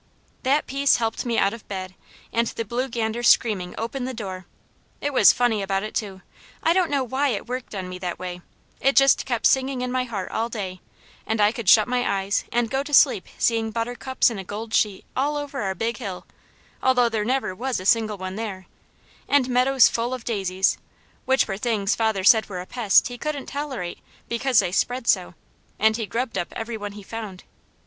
That piece helped me out of bed, and the blue gander screaming opened the door. It was funny about it too. I don't know WHY it worked on me that way; it just kept singing in my heart all day, and I could shut my eyes and go to sleep seeing buttercups in a gold sheet all over our Big Hill, although there never was a single one there; and meadows full of daisies, which were things father said were a pest he couldn't tolerate, because they spread so, and he grubbed up every one he found.